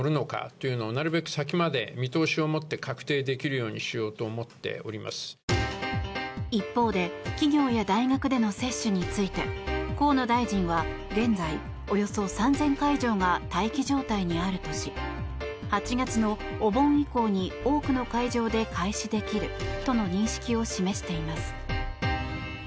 そうした中、河野大臣は。一方で企業や大学での接種について河野大臣は現在およそ３０００会場が待機状態にあるとし８月のお盆以降に多くの会場で開始できるとの認識を示しています。